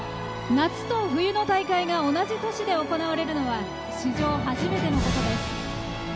夏と冬の大会が同じ都市で行われるのは史上初めてのことです。